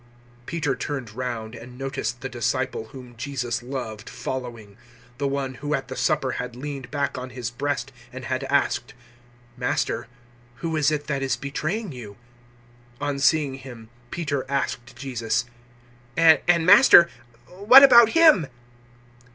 021:020 Peter turned round and noticed the disciple whom Jesus loved following the one who at the supper had leaned back on His breast and had asked, "Master, who is it that is betraying you?" 021:021 On seeing him, Peter asked Jesus, "And, Master, what about him?"